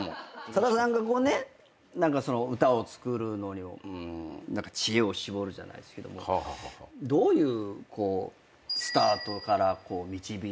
さださんが歌を作るのに知恵を絞るじゃないですけどどういうスタートから導いて。